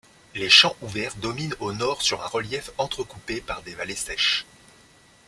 Les champs ouverts dominent au nord sur un relief entrecoupé par des vallées sèches.